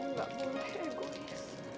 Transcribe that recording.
enggak melahirkan egois